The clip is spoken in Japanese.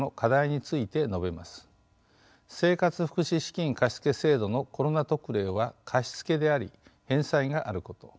生活福祉資金貸付制度のコロナ特例は貸し付けであり返済があること。